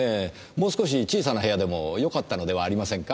もう少し小さな部屋でもよかったのではありませんか？